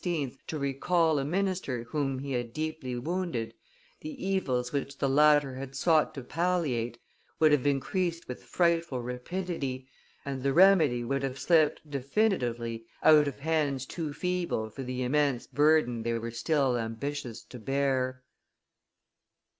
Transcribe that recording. to recall a minister whom he had deeply wounded, the evils which the latter had sought to palliate would have increased with frightful rapidity, and the remedy would have slipped definitively out of hands too feeble for the immense burden they were still ambitious to bear.